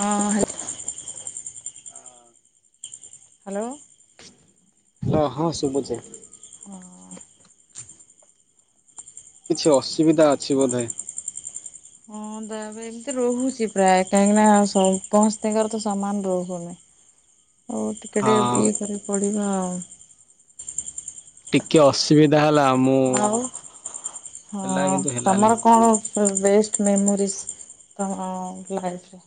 ହଁ hello hello ହଁ ଶୁଭୁଛି। ହଁ। କିଛି ଅସୁବିଧା ଅଛି ବୋଧେ? ହଁ ଦେବେ। ଏମିତି ରହୁଛି ପ୍ରାୟ କାହିଁକିନା ସମସ୍ତଙ୍କର ତ ସମାନ ରହୁନି। ହଉ ଟିକେ ଟିକେ ହଁ ଇଏ କରି ପଡିବ ଆଉ। ଟିକେ ଅସୁବିଧା ହେଲା ଆ। ଆଉ ହ କିନ୍ତୁ ହେଲାନି ତମର କଣ? ବେଷ୍ଟ ମେମୋରିସ୍ ତମ ଲାଇଫରେ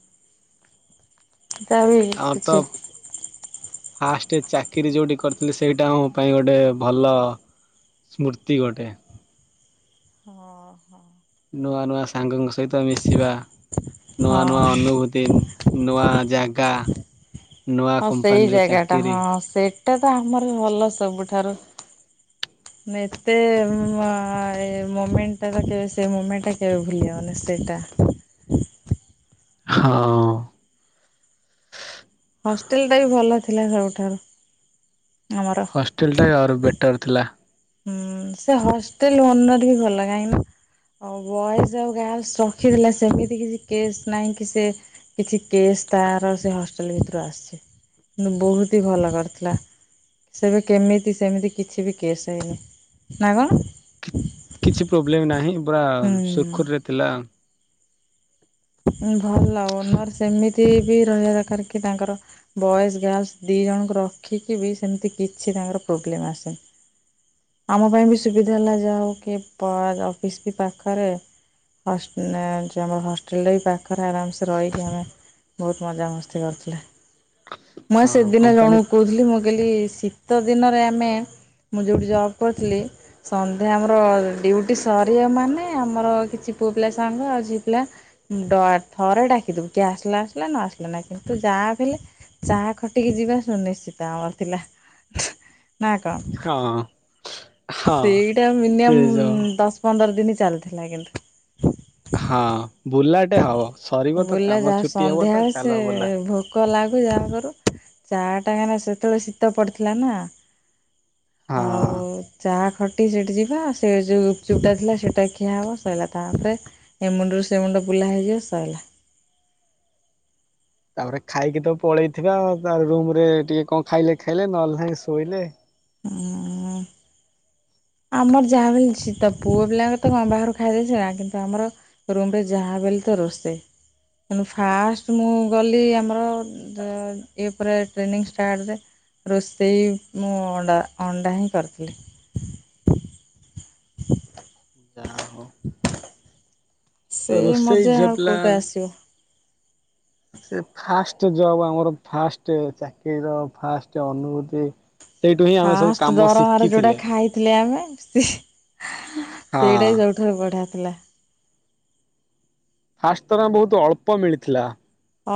ତା ବି ଆଉ ତ କିଛି ଫାଷ୍ଟ ଚାକିରି ଯେଉଁଠି କରିଥିଲି ସେଇଟା ଆମ ପାଇଁ ଗୋଟେ ଭଲ ସ୍ମୃତି ଗୋଟେ। ହଁ ହଁ। ନୂଆ ନୂଆ ସାଙ୍ଗଙ୍କ ସହିତ ମିଶିବା ନୂଆ ନୂଆ ଅନୁଭୂତି। ନୁଆ ଜାଗା ନୂଆ ହଁ ସେଇ କମ୍ପାନୀରେ ଜାଗା ଟା ଚାକିରି ହଁ ସେଇଟା ତ ଆମର ଭଲ ସବୁଠାରୁ। ମେତେ ମମେଣ୍ଟ ଟା ତବେ ସେ ମମେଣ୍ଟ ଟା କେବେ ଭୁଲିଯନ ସେଇଟା। ହଁ ହଷ୍ଟେଲ ଟା ବି ଭଲ ଥିଲା ସବୁଠାରୁ ଆମର ହଷ୍ଟେଲଟା ଆହୁରି ବେଟର୍ ଥିଲା ହୁଁ ସେ ହଷ୍ଟେଲ ଓନର ବି ଭଲ କାହିଁକିନା ଆଉ ବଏଜ ଆଉ ଗାର୍ଲସ ରଖିଥିଲା ସେମିତି କିଛି କେସ୍ ନାହିଁ କି ସେ କିଛି କେସ୍ ତାର ସେ ହଷ୍ଟେଲ୍ ଭିତରୁ ଆସିନି! କିନ୍ତୁ ବହୁତି ଭଲ କରିଥିଲା ସେବେ କେମିତି ସେମିତି କିଛି ବି କେସ୍ ସେ ନା କଣ? କିଛି ପ୍ରୋବ୍ଲେମ୍ ନାହିଁ ବା ସୁରୁଖୁରୁରେ ହୁଁ ଥିଲା! ଭଲ ଓନର ସେମିତିବି ରହିବା ଦରକାର କି ତାଙ୍କର ବଏଜ ଗାର୍ଲସ ଦି ଜଣଙ୍କୁ ରଖିକି ବି ସେମିତି କିଛି ତାଙ୍କର ପ୍ରୋବ୍ଲେମ ଆସେନି! ଆମ ପାଇଁ ବି ସୁବିଧା ହେଲା ଯାହା ହେଉ କି ପର ଅଫିସ ବି ପାଖରେ ଫାଷ୍ଟ ନେମଜ ମୋ ମୋ [inaudible] ଵିଲେଇ ପାଖରେ ଆରାମସେ ରହିକି ଆମେ ବହୁତ ମଜାମସ୍ତି କରୁଥିଲେ! ମୁଁଆ ହଁ ସେଦିନ କମ୍ପାନୀ ଜଣକୁ କହୁଥିଲି ମୁଁ କହଲି ଶୀତ ଦିନରେ ଆମେ ମୁଁ ଯେଉଁଠି ଜବ୍ କରିଥିଲି ସନ୍ଧ୍ୟା ଆମର ଡ୍ୟୁଟି ସରିବ ମାନେ ଆମର କିଛି ପୁଅ ପିଲା ସାଙ୍ଗ ଆଉ ଝିଅ ପିଲା ଡ ଆଟ ଥରେ ଡାକିଦବୁ କିଏ ଆସିଲା ଆସିଲା ନ ଆସିଲା ନାହିଁ! କିନ୍ତୁ ଯାହା ବି ହେଲେ ଚାହା ଖଟିକି ଯିବା ଶୁନିଶ୍ଚିତ ଆମର ଥିଲା! ନାଁ ହଁ ହଁ କଣ ସେଇଟା ସେ ଯୋଉ ମିନିମମ ଦଶ ପନ୍ଦର ଦିନୁ ଚାଲିଥିଲା! କିନ୍ତୁ ହଁ ବୁଲାଟେ ହବ ସରିବ ତ ବୁଲା କାମ ଛୁଟି ହବ ତ ଚାଲ ବୁଲା ପୋକ ଲାଗୁ ଯାହା କରୁ ଚା ଟା ସେତେବେଳେ ଶୀତ ପଡ଼ିଥିଲା ନା! ହଁ। ଆଉ-----! ଚା ଖଟି ସେଇଠି ଯିବା ସେ ଯୋଉ ଗୁପଚୁପ ଟା ଥିଲା ସେଇଟା ଖିଆ ହେବ ସରିଲା ତାପରେ! ଏ ମୁଣ୍ଡରୁ ସେ ମୁୁଣ୍ଡ ବୁଲା ହେଇଯିବ ସରିଲା! ତାପରେ ଖାଇକି ତ ପଳେଇଥିବା ତା ପରେରୁମ ରେ ଟିକେ କଣ ଖାଇଲେ ଖାଇଲେ ନହେଲେ ନାହଁ ଶୋଇଲେ! ହୁଁ-----ଉଁ---! ଆମର ଯାହା ବି ହେଇଛି ତ ପୁଅ ପିଲାଙ୍କ ତ କଣ ବାହାରକୁ ଖାଇଦେଇଚି ନା କିନ୍ତୁ ଆମର ରୁମରେ ଯାହାଵି ହେଲେ ତ ରୋଷେଇ ତେଣୁ ଫାଷ୍ଟ ମୁଁ ଗଲି ଆମର ହଁ ଏ ପରା ଟ୍ରେନିଂ ଷ୍ଟାଟରେ---! ରୋଷେଇ ମୁଁ ଅଣ୍ଡା ଅଣ୍ଡା ହିଁ କରିଥିଲି! ଯାହା ହଉ [unintelligible] ସେ ରୋଷେଇ ମଜା ଝିଅ ଆଉ ପିଲା କୋଉଟା ଆସିବ! ସେ ଫାଷ୍ଟ ଜବ୍ ଆମର ଫାଷ୍ଟ ଚାକିରିର ଫାଷ୍ଟ ଅନୁଭୂତି! ସେଇଠୁ ହିଁ ଆମେ ସବୁ କାମ ଶିଖିଥିଲେ! ଥିଲେ ଆମେ ହଁ। ସେଇଟା ସବୁଠାରୁ ବଢିଆ ଥିଲା! ଫାଷ୍ଟ ଦରମା ବହୁତ ଅଳ୍ପ ମିଳିଥିଲା!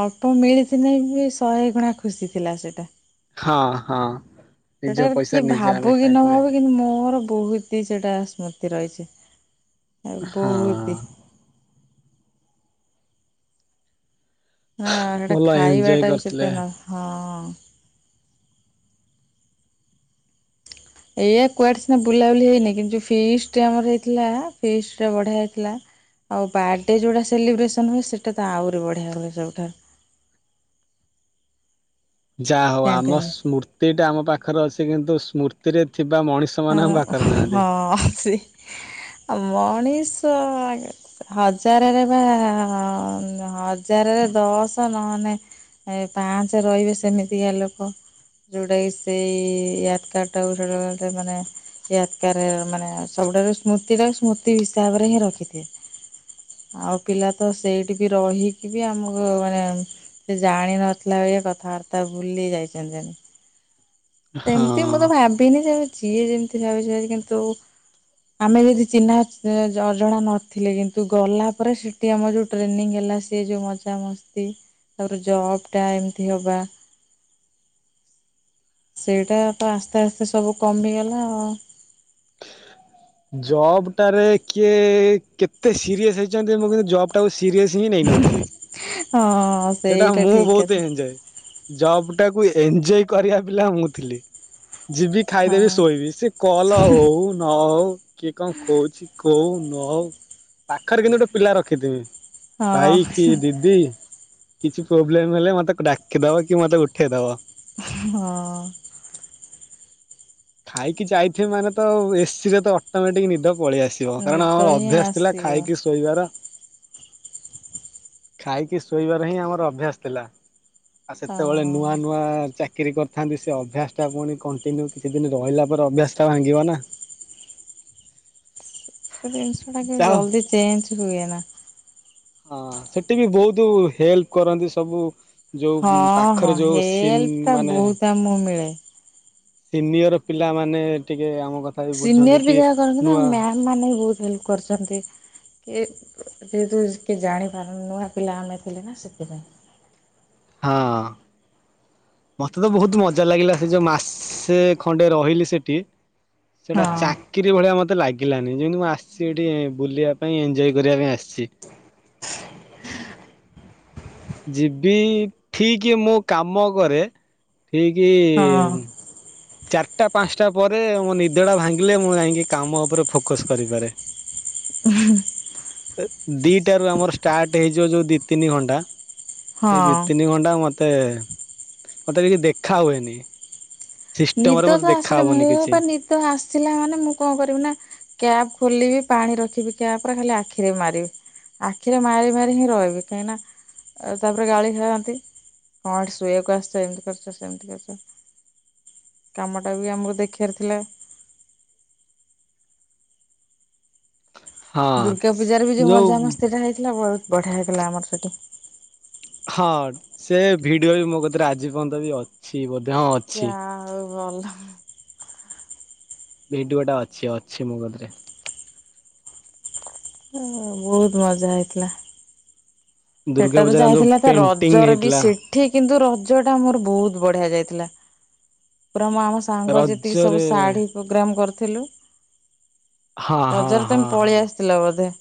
ଅଳ୍ପ ମିଳିଚି କି ନାଇଁ ବି ଶହେ ଗୁଣା ଖୁସି ଥିଲା! ସେଇଟା! ହଁ ହଁ ନିଜ ପଇସା ନିଜେ ଆମେ ଖାଇଥିଲେ! ଙ୍କିନ୍ତ ମୋର ବହୁତି ସେଟା ସ୍ମୃତି ରହିଛି! ଆ ହଁ ବହୁତି--ଦିନ ହାଁ ହେଇଟା ଭଲ ଖାଇବା ଏଞ୍ଜୟ ଟା ବି କରିଥିଲେ। ସେତେ ନୁହଁ! ହଁ ଏଇଆ କୁଆଡେ ସିନା ବୁଲାବୁଲି ହେଇନି କିନ୍ତୁ ଯେ ଫିସ୍ ଟା ଆମର ହେଇଥିଲା ଫିସ୍ ଟା ବଢିଆ ହେଇଥିଲା! ଆଉ ବାଡେ ଯେଉଁଟା ସେଲିବ୍ରେସନ ହୁଏ! ସେଟା ତ ଆହୁରି ବଢ଼ିଆ ହୁଏ! ସବୁଠାରୁ ଯାହା ହଉ ଆମ କ୍ୟାଣ୍ଟିନରେ। ସ୍ମୃତି ଟା ଆମ ପାଖରେ ଅଛି! କିନ୍ତୁ ସ୍ମୃତିରେ ଥିବା ମଣିଷ ମାନେ ଆମ ପାଖରେ ହୁଁ ନାହାନ୍ତି। ହଁ ସେଇ ଆଉ ମଣିଷ ହଜାରରେପା ହଜାରରେ ଦଶ ନହନେ ଏ ପାଞ୍ଚେ ରହିବେ ସେମିତିଆ ଲୋକ ଯୋଉଟା କି ସେଇ [unintelligible] ସେଟ ମାନେ [unintelligible] ମାନେ ସବୁଠାରୁ ସ୍ମୃତି ଟା ସ୍ମୃତି ହିସାବରେ ହିଁ ରଖିଥାଏ! ଆଉ ପିଲା ତ ସେଇଠି ବି ରହିକି ବି ଆମକୁ ମାନେ ସେ ଜାଣିିନଥିଲା ଏ କଥାବାର୍ତ୍ତା ସେ ଭୁଲି ଯାଇଛନ୍ତି? ହଁ। ସେମିତି ମୁଁ ତ ଭାବିନି ଯେ ଯିଏ ଯେମିତି ଭାବିଛି ଭାଵି କିନ୍ତୁ ଆମେ ଯଦି ଚିହ୍ନା ଅ ଅଜଣା ନଥିଲେ କିନ୍ତୁ ଗଲା ପରେ ସେ ସେଠି ଆମର ଯଉ ଟ୍ରେନିଂ ହେଲା ସିଏ ଯୋଉଁ ମଜାମସ୍ତି ତାପରେ ଜବ୍ ଟା ଏମିତି ହବା। ସେଇଟା ତ ଆସ୍ତେ ଆସ୍ତେ ସବୁ କମି ଗଲା ଆଉ। ଜବ୍ ଟାରେ କିଏ କେତେ ସିରିଏସ୍ ହେଇଛନ୍ତି ମୁଁ କିନ୍ତୁ ଜବ ଟାକୁ ସିରିଅସ ହିଁ ନେଇନଥିଲି ହଁ ସେଟା ସେଇଟା ମୁଁ ଠିକ୍ ବହୁତ କଥା ଏନଜଏ। ଜବ ଟାକୁ ଏନ୍ଞୟ କରିବା ପିଲା ମୁଁ ଥିଲି। ଯିବି ଖାଇଦେବି ହଁ। ଶୋଇବି ସେ କଲ୍ ହଉ ନ ହଉ। କିଏ କଣ କହୁଛି କହୁ ନ ହଉ ପାଖରେ କିନ୍ତୁ ଗୋଟେ ପିଲା ରଖିଥିମି। ଭାଇ କି ହଁ ଦିଦି କିଛି ପ୍ରୋବ୍ଲେମ ହେଲେ ମତେ ଡାକିଦବ କି ମତେ ଉଠେଇଦବ। ହଁ। ଖାଇକି ଯାଇଥିବି ମାନେ ତ ଏସି ରେ ତ ଅଟୋମେଟିକ ନିଦ ପଳେଇ ଆସିବ କାରଣ ନିଦ ହିଁ ଅଭ୍ୟାସ ଥିଲା ଆସିବ ଖାଇକି ଶୋଇବାର। ଖାଇକି ଶୋଇବାର ହିଁ ଆମର ଅଭ୍ୟାସ ଥିଲା। ଆଉ ସେତେବେଳେ ନୂଆ ହଁ। ନୂଆ ଚାକିରି କରିଥାନ୍ତି ସେ ଅଭ୍ୟାସ ଟା ପୁଣି କଣ୍ଟିନ୍ୟୁ କିଛି ଦିନି ରହିଲା ପରେ ଅଭ୍ୟାସ ଟା ଭାଙ୍ଗିବ ନା। ସେ ଜିନିଷ ଟା କିଛି ଯାଅ ଜଲଦି ଚେଞ୍ଜ ହୁଏ ନାଁ। ହଁ ସେଠି ବି ବହୁତ ହେଲ୍ପ କରନ୍ତି ସବୁ। ଯଉ ପାଖରେ ଯେଉଁ ସିନ୍ ମାନେ କାମ ମିଳେ। ସିନିୟର ପିଲାମାନେ ଟିକେ ଆମ କଥା ବି ବୁଝନ୍ତି ସିନିୟର ବି କି ଯାହା କରନ୍ତି ନା ନୂଆ ମ୍ୟାମ ମାନେ ବି ବହୁତ ହେଲ୍ପ କରିଛନ୍ତି। ଏ ଯେହେତୁ କିଏ ଜାଣିପାରୁନ ନୂଆ ପିଲାମାନେ ଥିଲେ ନା ସେଥିପାଇଁ ହଁ। ମତେ ତ ବହୁତ ମଜା ଲାଗିଲା ସେ ଯୋଉ ମାସେ ଖଣ୍ଡେ ରହିଲି ସେଠି। ସେଟା ହଁ ଚାକ ଚାକିରି ଭଳିଆ ମୋତେ ଲାଗିଲାନି ଯେମିତି ମୁଁ ଆସିଛି ଏଠି ବୁଲିବା ପାଇଁ ଏନ୍ଞ୍ଜୟ କରିବା ପାଇଁ ଆସିଛି। ଯିବି ଠିକ୍ ମୁଁ କାମ କରେ ଠିକ୍ ହଁ ଚାରିଟା ପାଞ୍ଚଟା ପରେ ମୋ ନିଦ ଟା ଭାଙ୍ଗିଲେ ମୁଁ ଯାଇକି କାମ ଉପରେ ଫୋକସ କରିପାରେ। [unintelligible] ଏ ଦିଟା ରୁ ଆମର ଷ୍ଟାର୍ଟ ହେଇଯିବ ଯଉ ଦି ତିନି ଘଣ୍ଟା ସେଇ ଦି ହଁ। ତିନି ଘଣ୍ଟା ମତେ ମତେ କିଛି ଦେଖା ହୁଏନି। ସିଷ୍ଟମରେ ନିଦ ମତେ ତ ଦେଖା ଆସିଲେ ହବନି ମୁଁ କିଛି ବା ନିଦ ଆସିଲା ମାନେ ମୁଁ କଣ କରିବି ନା କ୍ୟାପ ଖୋଲିବି ପାଣି ରଖିବି କ୍ୟାପରେ ଖାଲି ଆଖିରେ ମାରିବି। ଆଖିରେ ମାରି ମାରି ହିଁ ରହିବି କାହିଁକି ନା ଆଉ ତାପରେ ଗାଳି ଖେଳାନ୍ତି କଣ ଏଠି ଶୋଇବାକୁ ଆସିଛ ଏମିତି କରିଛ ସେମିତି କରିଛ। କାମଟା ବି ଆମକୁ ଦେଖିଇବାର ଥିଲା। ହଁ ଦୁର୍ଗା ପୂଜାରେ ବି ଯୋଉ ମଜା ମସ୍ତିଟା ହେଇଥିଲା ବହୁତ ବଢିଆ ହେଇଥିଲା ଆମର ସେଠି। ହଁ ସେ ଭିଡିଓ ବି ମୋ କତିରେ ଆଜି ପର୍ଯ୍ୟନ୍ତ ବି ଅଛି ବ ଯାହା ହଉ ଭଲ। ଭିଡିଓ ଟା ଅଛି-ଅଛି ମୋ କତିରେ। ଓ ବହୁତୁ ମଜା ହେଇଥିଲା। ଦୁର୍ଗା ସେଟା ତ ପୂଜାରେ ଆମ ଯୋଉ ଯାଇହେଇଥିଲା ତା ପେଣ୍ଟିଂ ରଜରେ ବି ହେଇଥିଲା ସେ ଠି କିନ୍ତୁ ରଜ ଟା ମୋର ବହୁତ୍ ବଢିଆ ଯାଇଥିଲା ପୁରା [unintelligible] ସାଙ୍ଗ ଯେତିକି ସବୁ ରଜରେ ଶାଢ଼ୀ ପୋଗ୍ରାମ୍ କରିଥିଲୁ। ହଁ ରଜରେ ତମେ ପଳେଇ ଆସିଥିଲ ବୋଧେ?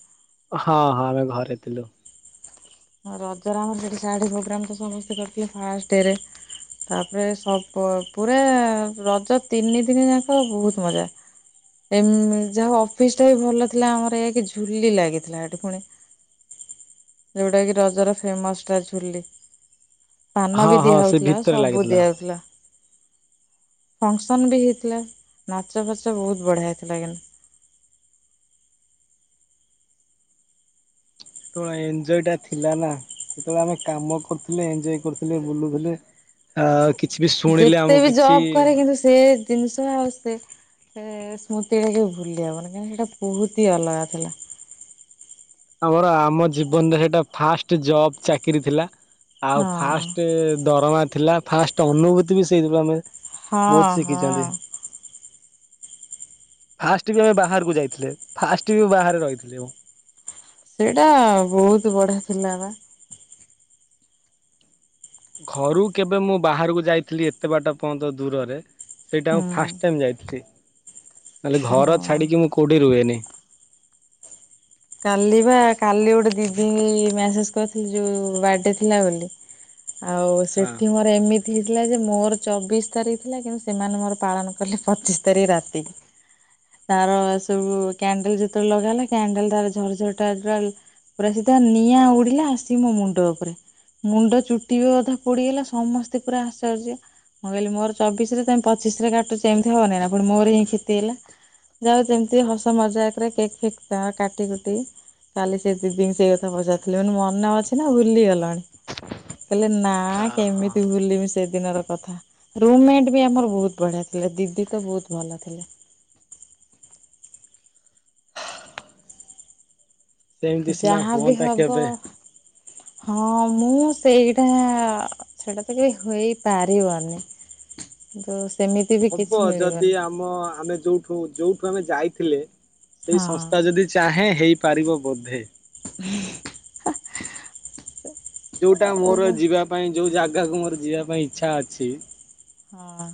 ହଁ-ହଁ ଆମେ ଘରେ ଥିଲୁ। ରଜରେ ଆମର ସେଠି ଶାଢୀ ପୋଗ୍ରାମ୍ ତ ସମସ୍ତେ କରିଥିବେ ଫାଷ୍ଟ ରେ ତାପରେ ସବ ପୁରା ରଜ ତିନି ଦିନ ଯାକ ବହୁତ ମଜା। ଏ ଯାହା ଅଫିସ୍ ଟା ବି ଭଲ ଥିଲା ଆମର ଏକ୍ ଝୁଲି ଲାଗିଥିଲା ଏଠି ପୁଣି ଯୋଉଟା କି ରଜର ଫେମସ୍ ଟା ଝୁଲି। ପାନ ହଁ ବି ହଁ ଦିଆ ସେ ହଉଥିଲା, ଭିତରେ ସବୁ ଲାଗିଥିଲା। ଦିଆ ହଉଥିଲା। ଫଂକ୍ସନ୍ ବି ହେଇଥିଲା, ନାଚ ଫାଚ ବହୁତ୍ ବଢ଼ିଆ ହେଇଥିଲା କି ସେତବେଳେ ଏଞ୍ଜୟଟା ଥିଲା ନା, ସେତବେଳେ ଆମେ କାମ କରୁଥିଲେ। ଏଞ୍ଜୟ କରୁଥିଲେ ବୁଲୁଥିଲେ ଆ କିଛି ବି ଶୁଣିଲେ ଯେତେ ଆମକୁ ବି କିଛି ଜବ୍ କରେ କିନ୍ତୁ ସେ ଜିନିଷ ଆଉ ସେ ସେ ସ୍ମୃତି [unintelligible] ଭୁଲି ହେବନି କାହିଁକି ନା ସେଇଟା ବହୁତ୍ ହିଁ ଅଲଗା ଥିଲା। ଆମର ଆମ ଜୀବନରେ ସେଇଟା ଫାଷ୍ଟ ଜବ୍ ଚାକିରି ଥିଲା। ଆଉ ହଁ। ଫାଷ୍ଟ ଦରମା ଥିଲା, ଫାଷ୍ଟ ଅନୁଭୂତି ବି ସେଇଥିରୁ ଆମେ ହଁ ବହୁତ୍ ହଁ ସିଖିଛନ୍ତି। ଫାଷ୍ଟ ବି ଆମେ ବାହାରକୁ ଯାଇଥିଲେ, ଫାଷ୍ଟ ବି ବାହାରେ ରହିଥିଲେ ଏବଂ ସେଇଟା ବହୁତୁ ବଢିଆ ଥିଲା ବା। ଘରୁ କେବେ ମୁଁ ବାହାର କୁ ଯାଇଥିଲି ଏତେ ବାଟ ପର୍ଯ୍ୟନ୍ତ ଦୂରରେ ସେଇଟା ମୁଁ ଫାଷ୍ଟ ହୁଁ ଟାଇମ୍ ଯାଇଥିଲି, ନହଲେ ଘର ହଁ। ଛାଡିକି ମୁଁ କୋଉଠି ରୁହେନି। କାଲି ବା କାଲି ଗୋଟେ ଦିଦି ଙ୍କି ମ୍ୟାସେଜ୍ କରିଥିଲି ଯୋଉ ବାର୍ଡେ ଥିଲା ବୋଲି ଆଉ ହଁ ସେଠି ମୋର ଏମି ତି ହେଇଥିଲା ଯେ ମୋର ଚବିଶି ତାରିଖ ଥିଲା କିନ୍ତୁ ସେମାନେ ମୋର ପାଳନ କଲେ ପଚିଶି ତାରିଖ ରାତି। ତାର ସବୁ କ୍ୟାଣ୍ଡେଲ୍ ଯେତବେଳେ ଲଗାହେଲା କ୍ୟାଣ୍ଡଲ୍ ତାର ଝର-ଝର ଟା ପୁରା ସିଧା ନିଆଁ ଉଡିଲା ଆସିକି ମୋ ମୁଣ୍ଡ ଉପରେ। ମୁଣ୍ଡ ଚୁଟିବି ଅଧା ପୋଡିଗଲା, ସମସ୍ତେ ପୁରା ଆଶ୍ଚର୍ଯ୍ୟ। ମୁଁ କହିଲି ମୋର ଚବିଶି ରେ ତମେ ପିଚିଶି ରେ କାଟୁଚ ଏମତି ହବନି ନା ଫୁଣି ମୋର ହିଁ କ୍ଷତି ହେଲା। ଯାହା ହଉ ଯେମିତି ହସ ମଜାକରେ କେକ୍ ଫେକ୍ କାଟି କୁ ଟି କାଲି ସେ ଦିଦିଙ୍କି ସେଇ କଥା ପଚାରିଥିଲି, ମୁଁ କହିଲି ମନେ ମନ ଅଛି ନା ଭୁଲିଗଲଣି? କହିଲେ ନା କେମିତି ଭୁଲିମି ସେଦିନର କଥା। ରୁମମେଟ୍ ବି ଆମର ବହୁତ ବଢ଼ିଆ ଥିଲେ, ଦିଦି ତ ବହୁତୁ ଭଲ ଥିଲେ। ସେମିତି ସିନା ଯାହାବି ହୁଅନ୍ତା ହବ କେବେ ହଁ ମୁଁ ସେଇଟା ସେଟା ତ କେବେ ହେଇପାରିବନି କିନ୍ତୁ ସେମିତି ବି ହବ କିଛି ଯଦି ମିଳିବନି ଆମ ଆମେ ଯୋଉଠୁ-ଯୋଉଠୁ ଆମେ ଯାଇଥିଲେ ସେଇ ସଂସ୍ଥା ହଁ ଯଦି ଚାହେଁ ହେଇପାରିବ ବୋଧେ। [unintelligible] ଯୋଉଟା ଆଉ ମୋର ହଁ ଯିବା ପାଇଁ ଯୋଉ ଜାଗାକୁ ମୋର ଯିବା ପାଇଁ ଇଚ୍ଛା ଅଛି ହଁ।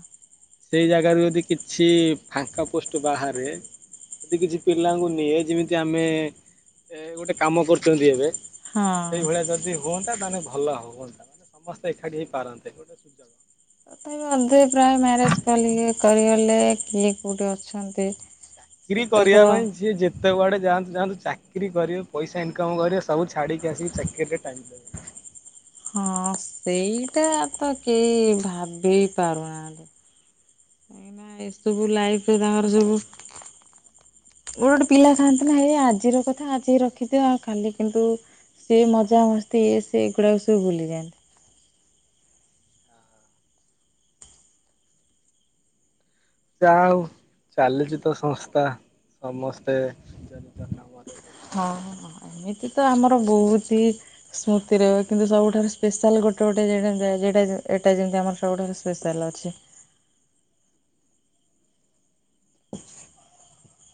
ସେଇ ଜାଗାରୁ ଯଦି କିଛି ଫାଙ୍କା ପୋଷ୍ଟ ବାହାରେ ଯଦି କିଛି ପିଲାଙ୍କୁ ନିଏ ଯେମିତି ଆମେ ଏ ଗୋଟେ କାମ କରୁଚନ୍ତି ଏବେ। ହଁ ସେଇଭଳିଆ ଯ ଦି ହୁଅନ୍ତା ତାହେଲେ ଭଲ ହୁଅନ୍ତା ମାନେ ସମସ୍ତେ ଏକାଠି ହେଇ ପାରନ୍ତେ ଗୋଟେ ସୁଯୋଗ। ତଥାପି ଅଧେ ପ୍ରାୟ ମ୍ୟାରେଜ୍ କଲିଲେ କରିଗଲେ କିଏ କୋଉଠି ଅଛନ୍ତି। ଚାକିରି ସେଟା କରିବା ତ ପାଇଁ ଯିଏ ଯେ ତେ କୁଆଡ଼େ ଯାଆନ୍ତୁ ଯାଆନ୍ତୁ ଚାକିରି କରିବେ ପଇସା ଇନକମ୍ କରିବେ ସବୁ ଛାଡ଼ିକି ଆସିକି ଚାକିରିରେ ଟାଇମ୍ ଦେବେ। ସେ ହଁ ସେଇଟା ତ କେହି ଭାବି ପାରୁନାହାନ୍ତି। କାଇଁକିନା ଏ ସବୁ ହବନି। ଲାଇଫ୍ ରେ ତାଙ୍କର ସବୁ। ଗୋଟେ ଗୋଟେ ପିଲା ଥାଆନ୍ତି ନା ହେ ଆଜିର କଥା ଆଜି ରଖିଦିଅ ଆଉ କାଲି କିନ୍ତୁ। ସେଇ ମଜା ମସ୍ତି ଏ ସେଗୁଡାକକୁ ସବୁ ଭୁଲିଯାଆନ୍ତି। ଯାହାହଉ ଚାଲିଚି ତ ସଂସ୍ଥା ସମସ୍ତେ। [inaudible] ଥାଇକି ହଁ ବି ହଁ ଏମିତି ତ ଆମର ବହୁତ୍ ହି। ସ୍ମୃତିରେ କିନ୍ତୁ ସବୁଠାରୁ ସ୍ପେଶାଲ୍ ଗୋଟେ ଗୋଟେ ଜେଗା ଆଜି ଏଟା ଯିବୁ ଏଟା ଯେମିତି ଆମ ର ଗୋଟେ ଗୋଟେ ସ୍ପେଶାଲ୍ ଅଛି। [inaudible]